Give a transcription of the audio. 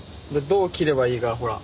どう切ればいいかほら。